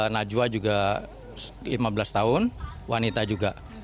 najwa juga lima belas tahun wanita juga